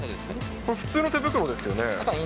これ、普通の手袋ですよね？